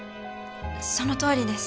そのとおりです。